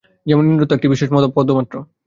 যেমন ইন্দ্রত্ব একটি বিশেষ পদ-মাত্র।